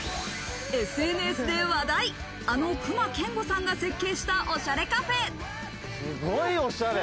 ＳＮＳで話題、あの隈研吾さんが設計したおしゃれカフェ。